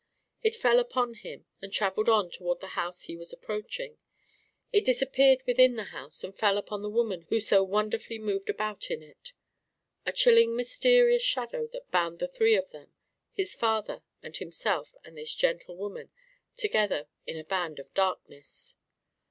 It fell upon him, and travelled on toward the house he was approaching; it disappeared within the house and fell upon the woman who so wonderfully moved about in it: a chilling mysterious shadow that bound the three of them his father and himself and this gentle woman together in a band of darkness.